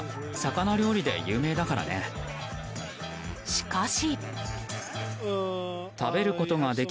しかし。